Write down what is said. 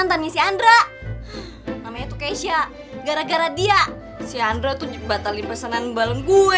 namanya tuh keisha gara gara dia si andra tuh batalin pesanan balon gue